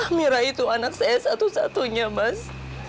kamira itu anak saya satu satunya mas